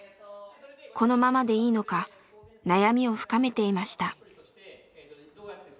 このままでいいのか悩みを深めていました。